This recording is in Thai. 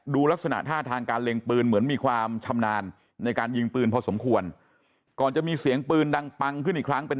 ลักษณะท่าทางการเล็งปืนเหมือนมีความชำนาญในการยิงปืนพอสมควรก่อนจะมีเสียงปืนดังปังขึ้นอีกครั้งเป็น